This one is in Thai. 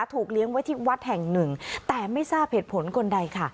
เลี้ยงไว้ที่วัดแห่งหนึ่งแต่ไม่ทราบเหตุผลคนใดค่ะ